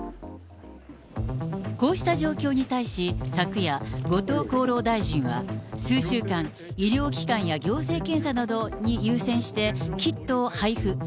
こうした状況に対し、昨夜、後藤厚労大臣は、数週間、医療機関や行政検査などに優先してキットを配布。